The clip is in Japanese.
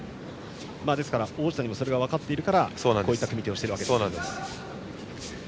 王子谷もそれが分かっているからこういった組み手をしているわけですね。